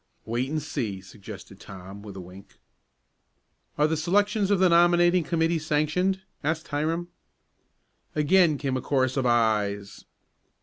"Wait and see," suggested Tom with a wink. "Are the selections of the nominating committee sanctioned?" asked Hiram. Again came a chorus of "ayes."